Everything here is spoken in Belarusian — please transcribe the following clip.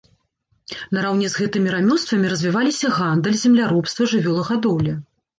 Нараўне з гэтымі рамёствамі развіваліся гандаль, земляробства, жывёлагадоўля.